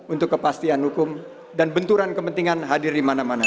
untuk kepastian hukum dan benturan kepentingan hadir dimana mana